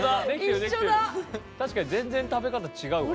確かに全然食べ方違うわ。